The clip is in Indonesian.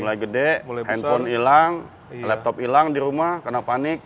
mulai gede handphone hilang laptop hilang di rumah karena panik